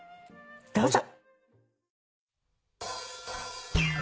どうぞ。